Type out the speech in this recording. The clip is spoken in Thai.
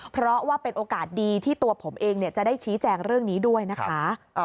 เพราะว่าเป็นโอกาสดีที่ตัวผมเองจะได้ชี้แจงเรื่องนี้ด้วยนะคะ